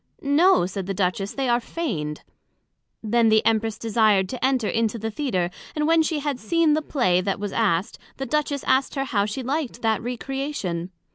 No, said the Duchess, they are feigned. Then the Empress desired to enter into the Theatre; and when she had seen the Play that was asked, the Duchess asked her how she liked that Recreation?